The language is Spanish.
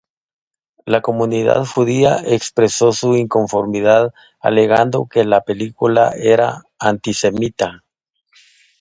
La comunidad judía expresó su inconformidad alegando que la película era antisemita.